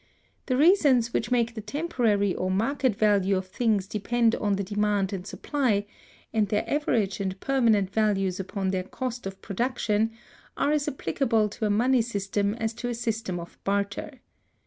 The reasons which make the temporary or market value of things depend on the demand and supply, and their average and permanent values upon their cost of production, are as applicable to a money system as to a system of barter.